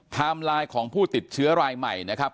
ไลน์ของผู้ติดเชื้อรายใหม่นะครับ